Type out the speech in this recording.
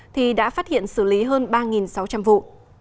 thì đã phát hiện xử lý hơn ba sáu trăm linh vụ